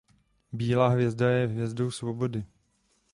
Bílá hvězda je hvězdou svobody.